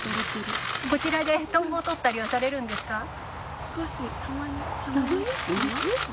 こちらでトンボを捕ったりはされるんですか？